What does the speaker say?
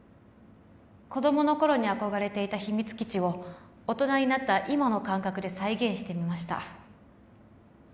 子供の頃に憧れていた秘密基地を大人になった今の感覚で再現してみました